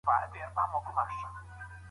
ښځه د هغې د ښايست په خاطر په نکاح کيږي.